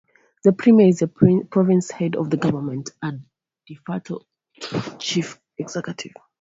The premier is the province's head of government and "de facto" chief executive.